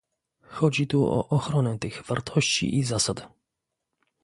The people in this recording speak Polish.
chodzi tu o ochronę tych wartości i zasad